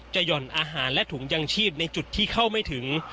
หย่อนอาหารและถุงยังชีพในจุดที่เข้าไม่ถึง